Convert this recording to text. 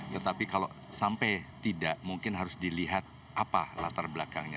tetapi kalau sampai tidak mungkin harus dilihat apa latar belakangnya